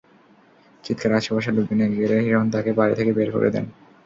চিৎকারে আশপাশের লোকজন এগিয়ে এলে হিরণ তাঁকে বাড়ি থেকে বের করে দেন।